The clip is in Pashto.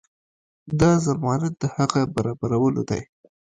دا ضمانت د هغه برابرولو دی.